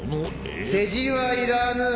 世辞はいらぬ。